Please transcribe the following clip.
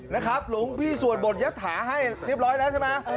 นะครับหลวงพี่สวดบทยัตถาให้เรียบร้อยแล้วใช่ไหม